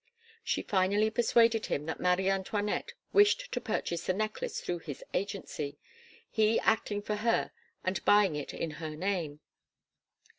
She finally persuaded him that Marie Antoinette wished to purchase the necklace through his agency, he acting for her and buying it in her name.